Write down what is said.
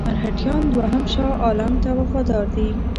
مرهټیان دوهم شاه عالم ته وفادار دي.